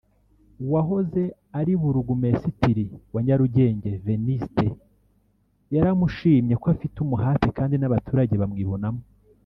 wahoze ari Burugumesitiri wa Nyarugenge Venuste yaramushimye ko “afite umuhate kandi n’abaturage bamwibonamo